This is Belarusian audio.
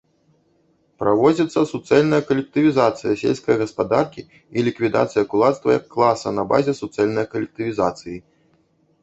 Праводзіцца суцэльная калектывізацыя сельскае гаспадаркі і ліквідацыя кулацтва як класа, на базе суцэльнае калектывізацыі.